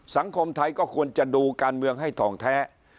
สังคมไทยก็ควรจะดูการเมืองให้ทองแท้